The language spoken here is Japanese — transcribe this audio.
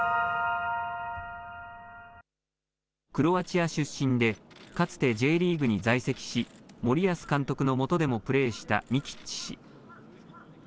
クロアチア出身でかつてＪリーグに在籍し森保監督のもとでもプレーしたミキッチ氏。